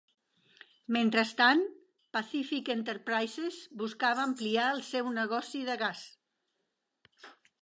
Mentrestant, Pacific Enterprises buscava ampliar el seu negoci de gas.